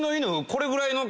これぐらいの。